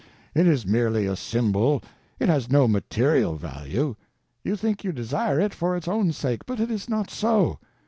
It is merely a symbol, it has no _material _value; you think you desire it for its own sake, but it is not so.